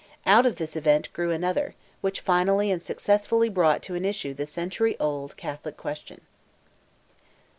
Out of this event grew another, which finally and successfully brought to an issue the century old Catholic question.